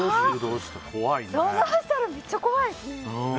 想像したらめっちゃ怖いですね。